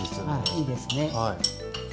はい。